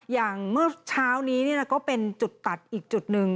อย่างเมื่อเช้านี้ก็เป็นจุดตัดอีกจุดหนึ่ง